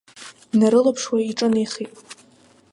Днарылаԥшуа иҿынеихеит.